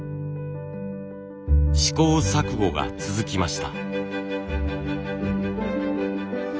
試行錯誤が続きました。